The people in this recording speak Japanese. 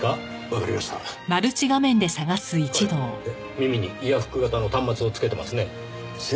耳にイヤーフック型の端末をつけてますねぇ。